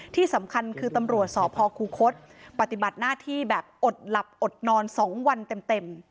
ที่สำคัญคือตำรวจสพคูคศปฏิบัติหน้าที่แบบอดหลับอดนอน๒วันเต็ม